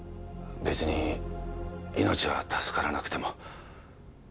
べつに命は助からなくても